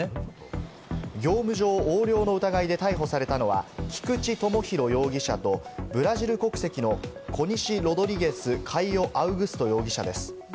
業務上横領の疑いで逮捕されたのは、菊地友博容疑者とブラジル国籍のコニシ・ロドリゲス・カイオ・アウグスト容疑者です。